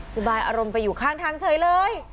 สบายอารมณ์ไปอยู่ข้างทางเฉยเลย